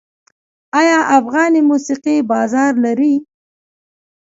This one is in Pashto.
آیا افغاني موسیقي بازار لري؟